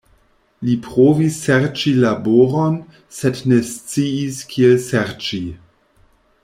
Li provis serĉi laboron, sed ne sciis kiel serĉi.